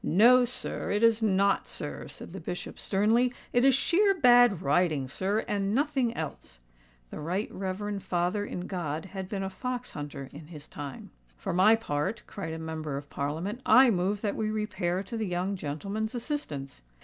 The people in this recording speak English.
"No, sir—it is not, sir," said the Bishop sternly: "it is sheer bad riding, sir—and nothing else." The Right Reverend Father in God had been a fox hunter in his time. "For my part," cried a Member of Parliament, "I move that we repair to the young gentleman's assistance."